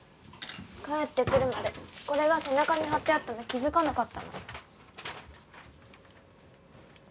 帰ってくるまでこれが背中に貼ってあったの気づかなかったの。